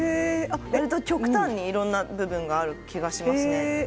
わりと極端にいろんな部分がある気がいたしますね。